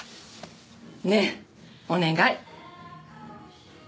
ねっお願い。